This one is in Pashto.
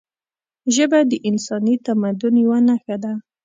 ژبه د انساني تمدن یوه نښه ده